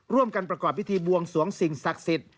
ประกอบพิธีบวงสวงสิ่งศักดิ์สิทธิ์